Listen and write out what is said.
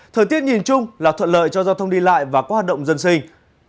thời tiết nhìn chung là thuận lợi cho giao thông đi lại và có hoạt động dân sinh